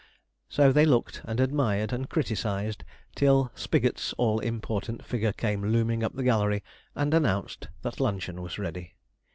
So they looked, and admired, and criticized, till Spigot's all important figure came looming up the gallery and announced that luncheon was ready.